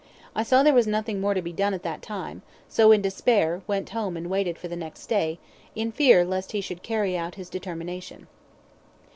I saw there was nothing more to be done at that time, so, in despair, went home and waited for the next day, in fear lest he should carry out his determination.